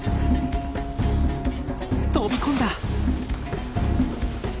飛び込んだ！